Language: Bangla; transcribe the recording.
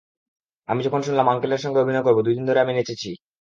আমি যখন শুনলাম আঙ্কেলের সঙ্গে অভিনয় করব, দুই দিন ধরে আমি নেচেছি।